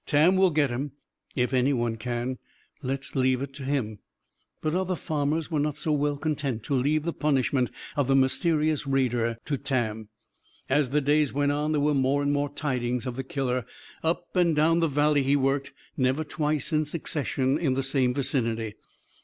Tam will get him, if anyone can. Let's leave it to him." But other farmers were not so well content to leave the punishment of the mysterious raider to Tam. As the days went on, there were more and more tidings of the killer. Up and down the Valley he worked; never twice in succession in the same vicinity.